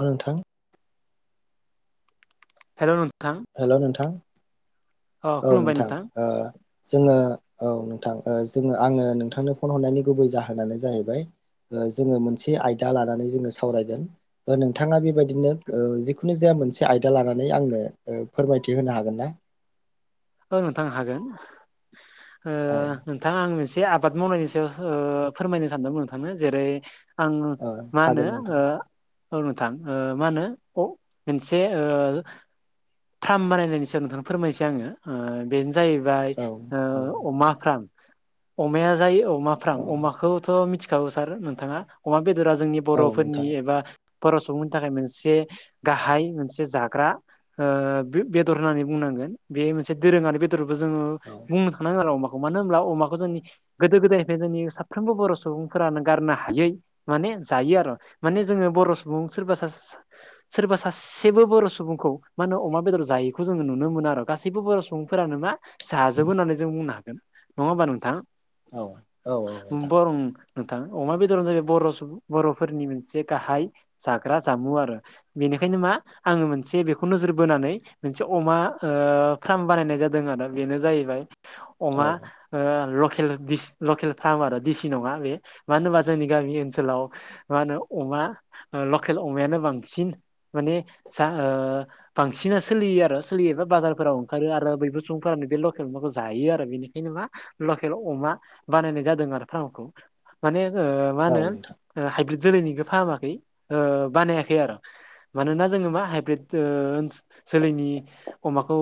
नंगौ नोंथां। हेल' नों हेल' नोंथां अ औ खुलुमबाय नोंथां ओ जोङो औ नोंथां ओ जोङो आङो नोंथांनो फन हरनायनि गुबै जाहोनानो जाहैबाय ओ जोङो मोनसे आयदा लानानै जोङो सावरायगोन नोंथाङा बेबायदिनो ओ जिखुनु जाया मोनसे आयदा लानानै आंनो फोरमायथि होनो हागोन ना? औ नोंथां हागोन। ओ औ नोंथां आं मोनसे आबाद मावनायनि सायावसो ओ फोरमायनो सानदोंमोन नोंथांनो जेरै आं ओ मा होनो हागोन नोंथां ओ औ नोंथां ओ मा होनो अ मोनसे ओ फ्राम बानायनायनि सायाव नोंथांनो फोरमायसै आङो ओ बेनो जाहैबाय औ औ अमा फार्म अमाया जायो अमा फार्म औ अमाखौथ' मिथिखागौ सार नोंथाङा अमा बे दरा जोंनि औ नोंथां बर'फोरनि एबा बर' सुबुंनि थाखाय मोनसे गाहाय मोनसे जाग्रा। ओ बे बेदर होननानै बुंनांगोन बे मोनसे दोरोङारि बेदरबो जोङो औ बुंनो थांनांगोन अमा अमानो होनोमब्ला अमाखौ जोंनि गोदो गोदायनिफ्राय जोंनि साफ्रोमबो बर' सुबुंफोरानो गारनो हायै माने जायो आरो माने जोङो बर' सुबुं सोरबा सासे सोरबा सासेबो बर' सुबुंखौ मा होनो अमा बेदर जायैखौ जोङो नुनो मोनो आरो गासैबो बर' सुबुंफोरानो मा जाजोबो होननानै जों बुंनो- नङा ओमबा नोंथां? औ औ औ नोंथां। बरं नोंथां अमा बेदरजो बर' सुबुं बर'फोरनि मोनसे गाहाय जाग्रा जामु आरो बे- बेखायनो मा आङो मोनसे बे- खौ नोजोर बोनानै मोनसे अमा ओ फार्म बानायनाय जादों आरो बेनो जाहैबाय औ अमा ओ ल केल बिस लखेल फार्मार दिसि नङा बे मानो होनबा जोंनि गामि ओनसोलाव मा होनो अ बा ओ लकेल अमायानो बांसिन माने सा ओ बांसिना सोलियो आरो सोलियोबा बाजारफोराव ओंखारो आरो बैफोर सुंफोरानो बे लकेल माखौ जायो आरो बेनि जेनेबा लकेल अमा बानायनाय जादों आरो फार्मखौ माने ओ मा औ होनो नोंथां ओ हाइब्रिद जोलैनिबो फाहामाखै ओ बानायाखै आरो मानोना जोङो मा हाइब्रिद ओ जोलैनि अमाखौ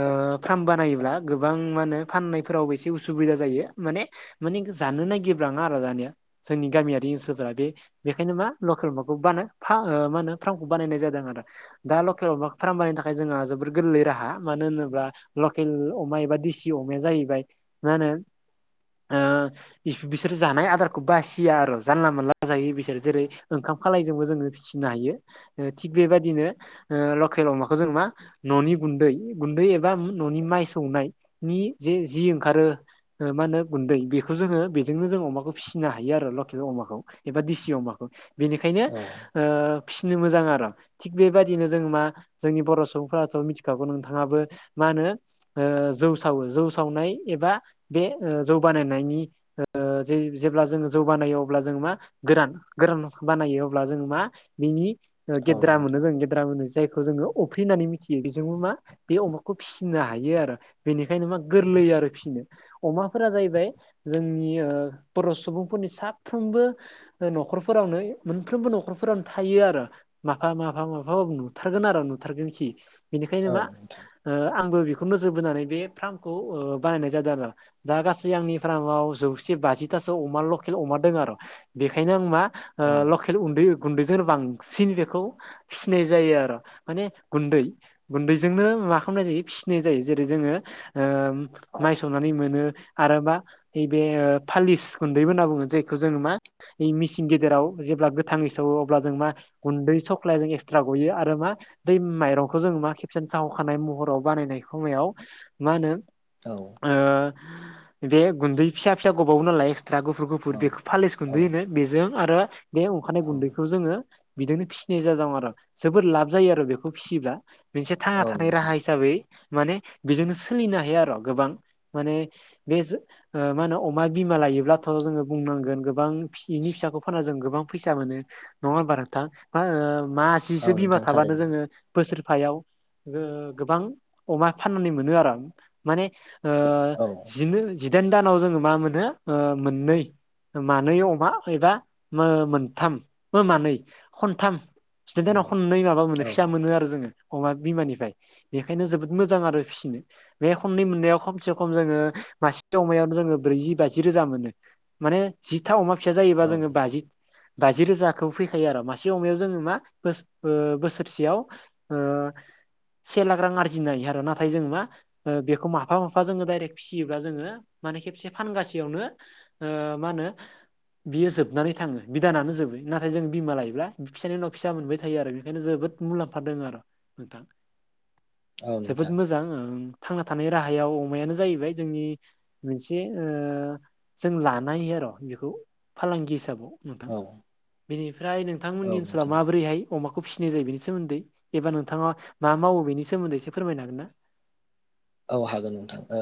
ओ फार्म बानायोब्ला गोबां मा होनो फाननायफोरावबो एसे उसुबिदा जायो माने मानि जानो नागिरब्राङा आरो दानिया जोंनि गामियारि ओनसोलफोरा बेखायनो मा लकेल माखौ बानो फ मा माहोन फार्मखौ बानायनाय जादों आरो। दा लकेल अमा फारमबनायनि थाखाय जोंहा जोबोर गोरलै राहा मानो होनोब्ला लकेल अमा एबा दिसि अम माया जाहैबाय मा होनो ओ बिसोरो जानाय आदारखौ बासिया आरो जानला मोनानला जायो बिसोर जेरै' ओंखा खाम खालायजोंबो जोङो सिबिनो हायो ओ थिग बेबायदिनो ओ लकेल अमाखौ जों मा न'नि गुन्दै गुन्दै एबा न'नि माइ सौनायनि नि जे ओंखारो मा होनो गुै बेखौ जोो बेजोंनो जों अमाखौ फिसिनो हायो आरो लखेल अमा खौ दिसि अमाखौ बेनिखायनो औ फिनो मोजां आरो थि बे बायदिनो जों मा जों बर'सुबुंफ्रा मिथि खागौ नोंथांआबो माहोनो ओ जै सा अ जौ सावनाय एबा बे ओ जौ बानायनायनि ओ जेब्ला जोङो जौ बानाय अब्ला जों मा गोरान गोरानस बानाय अब्ला जों मा बिनि औ गेद मोनो नोंथां जों गेद्रा जायखौ जोङो अफ्रि होननानै मिथियो बेजों मा बे अमाखौ फिसिनो हायो आरो बेनिखायनो मा गोरलै आरो फिसिनो अमाफोरा जाहैबाय जोंनि ओ बर' सुबुंफोरनि साफ्रोम बो न'खरफोरावनो मोनफ्रोमबो न'खरफोरावनो थायो आरो माफा माफा मा औ नुथारगोन आरो नुथारगोनखि बेनिखायनो औ मा नोंथां ओ आंबो बेखौ नोजोर बोनानै बे फार्मखौ बानायनाय जादों आरो दा। गासै आंनि फार्माव जौसे बाजिथासो अमा लकेल अमा दों आरो बेनिखायनो आं मा ओ औ लकेल उन्दै गुन्दैजोंनो बांसिन बेखौ फिसिनाय जायो आरो' माने गुन्दै गुन्दैजोंनो मा खालामनाय जायो फिसिनाय जायो जेरै' जोङो ओ माइ सौनानै मोनो आरो मा नैबे फालिस गुन्दै होनना बुङो। जायखौ जोङो मा मिसिं गेदेराव जेब्ला गोथाङै सावो अब्ला जों मा गुन्दै सख्लाया जों बाथ्रा गयो आरो मा दै माइरंखौ जोङो मा खेबसेन साहावखानाय महराव बानायनाय खमायाव मा होनो औ ओ बे गुन्दै फिसा फिसा गोबावनो नालाय थ्रा गुफुर गुफुर औ बेखौ फालिस औ गुन्दै होनो बेजों आरो बे ओंखारनाय औ गुन्दैखौ जोङो बिजोंनो फिसिनाय जादों आरो जबोद लाब जायो आरो बेखौ फिसियोब्ला मोनसे थांना औ थानाय नोंथां राहा हिसाबै माने बेजोंनो सोलिनो हायो आरो' गोबां माने बे ओ मा होनो अमा बिमा मा लायोब्लाथ' जोङो बुंनांगोन गोबां फिसिनि फिसाखौ फाननानै जों गोबां फैसा मोनो नङ होमबा नोंथां। माह मा औ सिसो बिमा नोंथां थाबानो थारैनो जोङो बोसोर फायाव ओ गोबां अमा फाननानै मोनो आरो। माने ओ औ जि जिदाइन दानाव जोङो मा मोनो ओ मोननै। मानै अमा एबा ओ मोनथाम ओ मानै खनथाम। जिदाइदानाव खनै माबा मोनो औ फिसा मोनो आरो जोङो। अमा बिमानिफ्राय बेखायनो जोबोद मोजां आरो फिसिनो बे खननै मोननायाव खमसे खम जोङो। मासे अमायावनो जोङो ब्रैजि बाजि रोजा मोनो माने जिथा अमा। फिसा जायोबा औ जोङो नोंथां बाजि बाजि रोजाखौ फैखायो आरो मासे अमायाव जोङो मा। बोस ओ बोसोर सेयाव ओ। से लाख रां आरजिनो हायो आरो नाथाय जों मा ओ बेखौ माफा माफा जोङो डाइरेक्ट फिसियोब्ला जोङो। माने खेबसे फानगासेयावनो ओ मा होनो‌ बियो जोबनानै थाङो बिदानानो जोबो नाथाय जों बिमा लायोब्ला बि फिसानि उनाव। फिसा मोनबाय थायो आरो बेनिखायनो जोबोद मुलाम्फा दङ आरो नोंथां। औ जोबोद नोंथां मोजां ओं। थांना थानाय राहायाव अमायानो जाहैबाय जोंनि मोनसे ओ जों लानाय। र बिखौ। औ औ नोंथां अमाखौ फिसिनाय जायो बेनि सोमोन्दै एबा नोंथाङा मा मावो बेनि सोमोन्दै एसे फोरमायनो हागोन ना? [inaudible] औ हागोन नोंथां ओ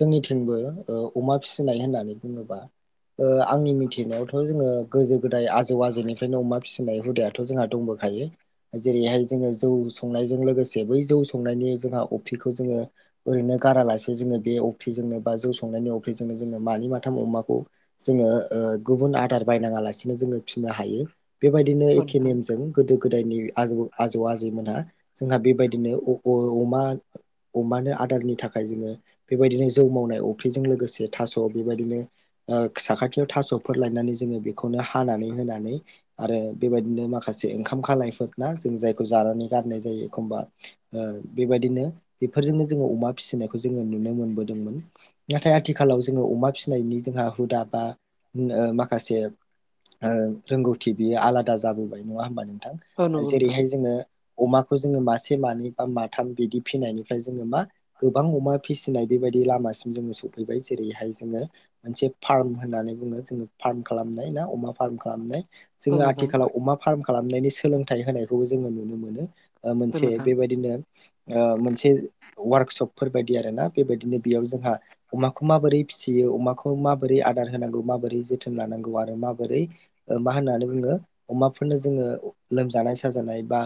जोंनिथिंबो ओ अमा फिसिनाय होननानै बुङोबा। ओ आंनि मिथिनायावथ' जोङो गोजो गोदाय आजौ आजौनिफ्रायनो अमा फिसिनाय हुदायाथ' जोंहा दंबो। खायो जेरैहाय जोङो जौ संनायजों लोगोसे बै जौ संनायनि जोंहा अफिखौ जोङो। ओरैनो गारालासे जोङो बे अफ्रिजोंनो बा जौ संनायनि अफ्रिजोंनो जोङो मानै माथाम अमाखौ। जोङो ओ गुबुन आदार बायनाङा लासिनो जोङो फिननो हायो। बेबायदिनो औ एखे नोंथां नेमजों गोदो। गोदायनि आजौ आजैमोनहा जोंहा बेबायदिनो अब अमा। अमानो आदारनि थाखाय जोङो बेबायदिनो जौ मावनाय अफ्रिजों लोगोसे थास' बेबायदिनो। ओ साखाथियाव थास'फोर लायनानै जोङो बेखौनो हानानै होनानै आरो बेबायदिनो माखासे। ओंखाम खालायफोर ना जों जायखौ जानानै गारनाय जायो एखमबा बेबायदिनो। बेफोरजोंनो जोङो अमा फिसिनायखौ जोङो नुनो मोनबोदोंमोन नाथाय आथिखालाव जोङो अमा फिसिनायनि जों। हा हु दाबा नो मासे ओ रोंगौथि बियो आला। हुदा जाबोबाय नङा होनबा औ नोंथां नंगौ नोंथां जेरैहाय जोङो अमाखौ जोङो मासे मानै बा माथाम बिदि फिनायनि फ्राय जोङो मा गोबां अमा फिसिनाय बेबाय लामा सिम सफैबाय जेरै हाय जोङो मोनसे। फार्म होननानै बुङो जोङो फार्म खालामनाय ना अमा फार्म खालामनाय। औ जोङो नोंथां आथिखालाव अमा फार्म खालामनायनि सोलोंथाइ होनायखौबो जोङो नुनो मोनो। ओ औ मोनसे नोंथां बेबायदिनो ओ मोन वार्कशपफोर बायदि आरोना बेबायदिनो बेयाव जोंहा अमाखौ माबोरै फिसियो अमाखौ मा। माबोरै आदार होनांगौ माबोरै जोथोन लानांगौ आरो माबोरै ओ मा होननानै बुङो अमाफोरनो जों। ओ लोमजानाय साजानाय बा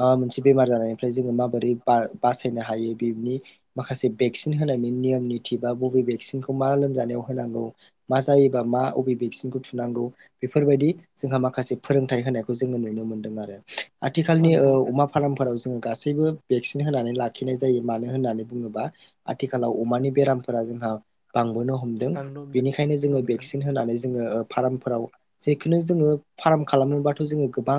माबा मोनसे बेमार जानायनिफ्राय जोङो माबोरै बार। बासायनो हायो बिनि। माखासे भेक्सिन होनायनि नियम निति बा बबे भेक्सिनखौ मा लोमजानायाव होनांगौ। मा जायोबा मा अभेभेक्स। थुनांगौ बेफोरबायदि जोंहा माखासे फोरोंथाइ होनायखौ जोङो नुनो मोनदों आरो। औ आथिखालनि ओ नोंथां अमा फार्मफोराव जोङो गासैबो भेक्सिन होनानै। लाखिनाय जायो मानो होननानै बुङोबा आथिखालाव अमानि बेरामफोरा जोंहा बांबोनो हम। हमदों दाननो हमदों बेनिखायनो औ जोङो नोंथां भेक्सिन होनानै। जोङो फार्मावफोराव जेखुनु जोङो फार्म खालामोबाथ' जों गोबां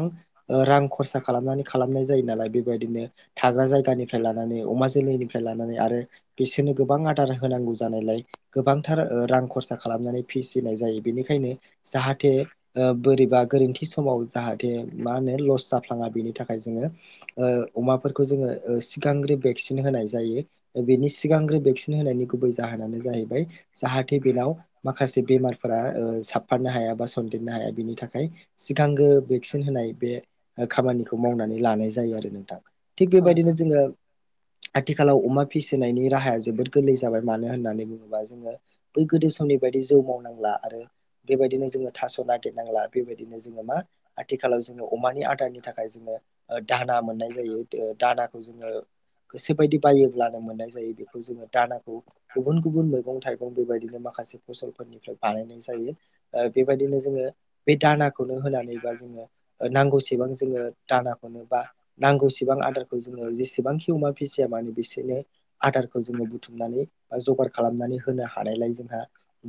रां खरसा। खालामना। फ्राय लानानै अमा जोलैनिफ्राय लानानै आरो बिसोरनो गोबां आदार होनांगौ जानायलाय गोबांथार रां खरसा खालामनानै फिसिनाय जायो बेनिखायनो जाहाथे बोरैबा ओ गोरोन्थि समाव। औ जाहाथे मा होनो लस जाफ्लाङा बिनि थाखाय जोङो ओ अमाफोरखौ जोङो ओ सि। गांग्रो भेक्सिन होनाय जायो बेनि सिगांग्रो भेक्सिन होनायनि गुबै जाहोनानो जाहैबाय जाहा। जाहाथे बेनाव माखासे बेमारफोरा साबफनो हाया बा सन्देरनो हाया बिनि थाखाय सिगांगो भेक्सिन होनाय बे खामानिखौ मावनानै लानाय जायो आरो नोंथां थिग औ बेबायदिनो नोंथां जोङो। [inaudible] आथिखालाव अमा फिसिनायनि राहाया जोबोोर गोरलै जाबाय मानो होननानै बुङोबा जोङो बै गोदो समनिफ्राय बे जौ मावनांला आरो बेबायदिनो जों थास नागिरनांला बेबायदिनो जों मा आथिखालाव जोङो अमानि आदारनि थाखाय जोङो दाना मोननाय जायो दानाखौ जोङो। गोसोबायदि बायोब्लानो मोननाय जायो बेखौ जोङो दानाखौ। गुबुन गुबुन मैगं थाइगं बेबायदिनो माखासे फसलफोरनिफ्राय बानायनाय जायो ओ बेबायदिनो जोङो बे दानाखौनो होनानैबा जोङो नांगौ सिब जोंयो दानाखौनोबा नांगौसिबां आदार जेसेबांखि अमा फिसिया मानो बिसोरनो आदारखौ जोङो बुथुमनानै बा जगार खालामनानै होनो हानायलाय जोंहा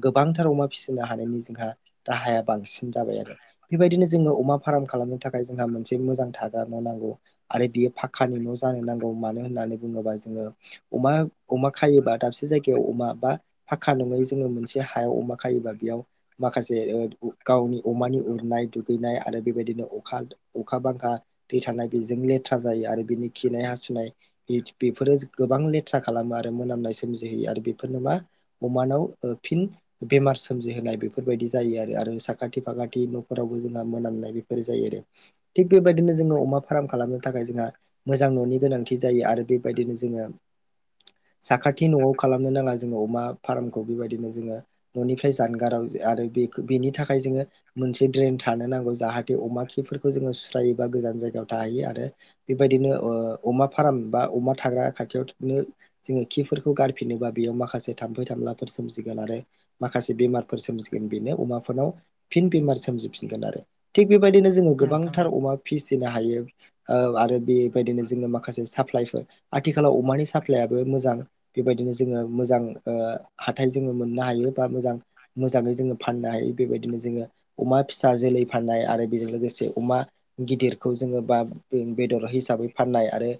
गोबांथार अमा फिसिनो हानायनि जोंहा राहाया बांसिन जाबाय आरो बेबायदिनो जोङो अमा फार्म खालामनो थाखाय जोंहा मोनसे मोजां थाग्रा न' नांगौ। आरो बियो फाखानि न' जानो नांगौ मानो होननानै बुङोबा जोङो अमा अमा खायोबा दाबसे जायगायाव अमा बा फाखा नङै जोङो मोनसे हायाव अमा खायोबा बेयाव माखासे ओ गावनि अमानि उरनाय दुगैनाय आरो बेबायदिनो अखा अखा बांखा दै थानाय बेजों लेथ्रा जायो आरो बिनि खिनाय हासु नाय बेफोरो गोबां लेथ्रा खालामो आरो मोनामनाय सोमजिहोयो आरो बेफोरनो मा अमानाव फिन बेमार सोमजिहोनाय बेफ फोरबायदि जायो आरो साखाथि फाखाथि न'फोरावबो जोंहा मोनामनाय बेफोर जायो आरो थिक बेबायदिनो जोङो अमा फार्म खालामनो थाखाय जोंहा मोजां न'नि गोनां थि जायो आरो बेबायदिनो जोङो साखाथि न'आव खालामनो नाङा जोङो अमा फार्मखौ बेबायदिनो जोङो न'निफ्राय जानगाराव आरो बे बेनि थाखाय जोङो मोनसे ड्रेन थानो नांगौ जाहाथे अमा खिफोरखौ जोङो सुस्रायोबा गोजान जायगायाव थाहैयो आरो बेबायदिनो ओ अमा फार्म बा अमा थाग्रा खाथियावनो जोङो खिफोरखौ गारफिनोबा बेयाव माखासे थाम्फै थाम लाफोर सोमजिगोन आरो माखासे बेमारफोर सोमजिगोन बेनो अमाफोरनाव फिन बेमार सोमजिफिनगोन। आरो थिग बेबायदिनो जोङो औ नोंथां औ गोबांथार अमा फिसिनो हायो ओ आरो‌ बेबायदिनो जोङो माख खासे साप्लाायफोर आथिखालाव अमानि साप्लायाबो मोजां बेबायदिनो जोङो मोजां ओ हाथाय जों मोननो हायो बा मोजां मोजाङै जोङो फाननो हायो बेबायदिनो जोङो अमा फिसा जोलै फाननाय आरो बेजों लोगोसे अमा गिदिरखौ जोङो बा बेदर हिसाबै फाननाय आरो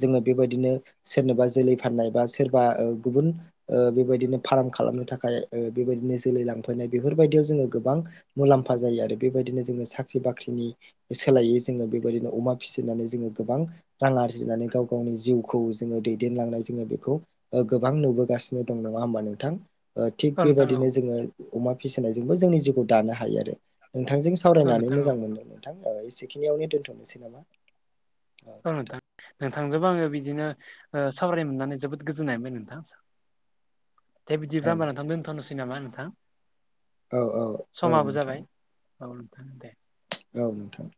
जोङो बेबायदिनो सोरनोबा जोलै फाननाय बा सोरबा ओ गुबुन ओ बेबायदिनो फान राम खालामनो थाखाय ओ बेबायदिनो जोलै लांफैनाय बेफोरबायदियाव जोङो गोबां मुलाम्फा जायो आरो बेबायदिनो जों साख्रि बाख्रिनि सोलायै जोङो बेबायदिनो अमा फिसिनानै जोङो गोबां रां आरजि जिनानै गाव गावनि जिउखौ जोङो दैदेनलांनाय जोङो बेखौ गोबां नुबोगासिनो दं नंङा होनबा नोंथां? थिग औ नोंथां औ बेबायदिनो जोंयो अमा फिसि नायजोंबो जोंनि जिउखौ दानो हायो आरो नोंथांजों औ सावरायनानै नोंथां औ मोजां मोनदों नोंथां। औ एसेखिनियावनो दोनथ'नोसै नामा? औ दे। नोंथांजोंबो आङो बिदिनो ओ सावराय मोननानै जोबोद गोजोननाय मोनबाय नोंथां। दे बिदिब्ला औ होनब्ला नोंथां दोनथ'नोसै नामा नोंथां? औ औ औ समाबो नोंथां। जाबाय औ नोंथा दे। औ नोंथां।